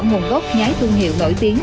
nguồn gốc nhái thương hiệu nổi tiếng